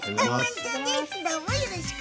きょうもよろしく。